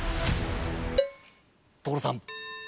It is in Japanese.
所さん！